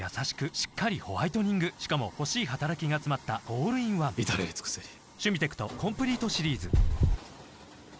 しっかりホワイトニングしかも欲しい働きがつまったオールインワン至れり尽せりおい。